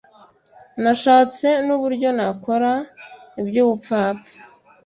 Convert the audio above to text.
nashatse nuburyo nakora iby’ubupfapfa